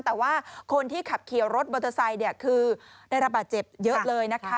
แต่ว่าคนที่ขับเคี่ยวรถบริษัทเนี่ยคือได้รับอาจเจ็บเยอะเลยนะคะ